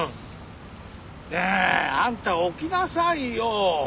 ねえあんた起きなさいよ！